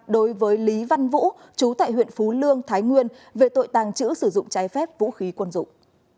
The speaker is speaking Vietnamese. đối với lý văn vũ chú tại huyện phú lương thái nguyên về tội tàng trữ sử dụng trái phép vũ khí quân dụng